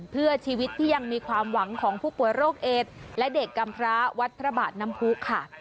เพื่อชีวิตที่ยังมีความหวังของผู้ป่วยโรคเอดและเด็กกำพระวัดพระบาทน้ำผู้ค่ะ